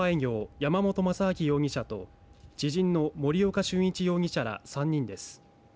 山本雅昭容疑者と知人の森岡俊一容疑者ら３人です。